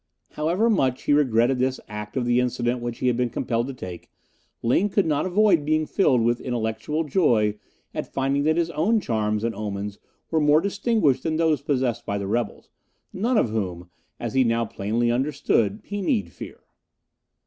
However much he regretted this act of the incident which he had been compelled to take, Ling could not avoid being filled with intellectual joy at finding that his own charms and omens were more distinguished than those possessed by the rebels, none of whom, as he now plainly understood, he need fear.